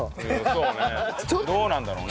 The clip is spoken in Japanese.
そうねどうなんだろうね？